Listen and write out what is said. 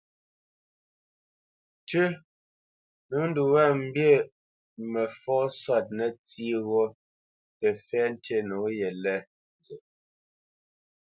"Tʉ́ ; nǒ ndu wá mbi mə fɔ sɔ́t nə́tsí ghó tə́ fɛ́ tí nǒ yelê nzə."